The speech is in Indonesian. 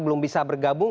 belum bisa bergabung